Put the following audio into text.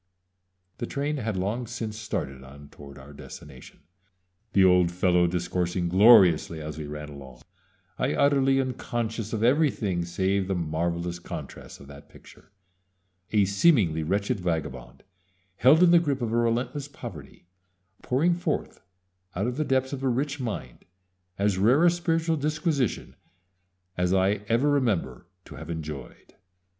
The train had long since started on toward our destination, the old fellow discoursing gloriously as we ran along, I utterly unconscious of everything save the marvelous contrasts of that picture a seemingly wretched vagabond, held in the grip of a relentless poverty, pouring forth out of the depths of a rich mind as rare a spiritual disquisition as I ever remember to have enjoyed.